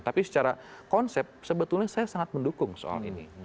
tapi secara konsep sebetulnya saya sangat mendukung soal ini